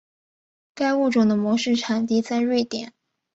该物种的模式产地在瑞典。